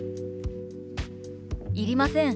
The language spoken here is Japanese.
「いりません。